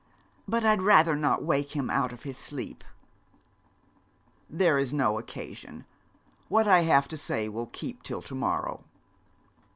But I'd rather not wake him out of his sleep.' 'There is no occasion. What I have to say will keep till to morrow.'